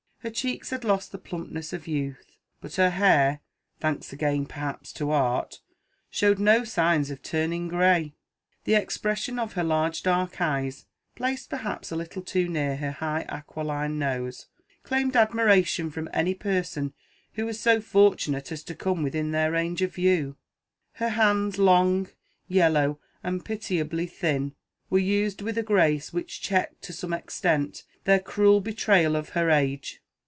Her cheeks had lost the plumpness of youth, but her hair (thanks again perhaps to Art) showed no signs of turning grey. The expression of her large dark eyes placed perhaps a little too near her high aquiline nose claimed admiration from any person who was so fortunate as to come within their range of view. Her hands, long, yellow, and pitiably thin, were used with a grace which checked to some extent their cruel betrayal of her age.